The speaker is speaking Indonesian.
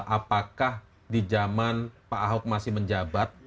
apakah di zaman pak ahok masih menjabat